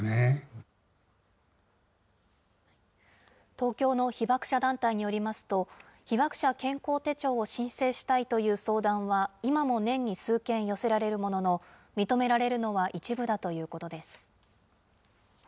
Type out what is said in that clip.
東京の被爆者団体によりますと、被爆者健康手帳を申請したいという相談は今も年に数件寄せられるものの、認められるのは一部だということです。